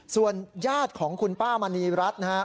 ส่วนญาติของคุณป้ามณีรัฐนะครับ